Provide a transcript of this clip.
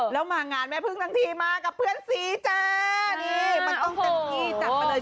แล้วมางานแม่พึ่งทั้งทีมากับเพื่อนสีจ้านี่มันต้องเต็มที่จัดไปเลย